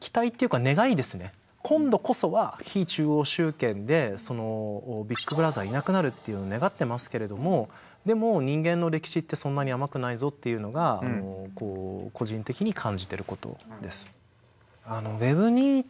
今度こそは非中央集権でビッグ・ブラザーいなくなるっていうのを願ってますけれどもでも人間の歴史ってそんなに甘くないぞっていうのが個人的に感じてることです。